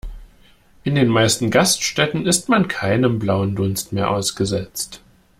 In den meisten Gaststätten ist man keinem blauen Dunst mehr ausgesetzt.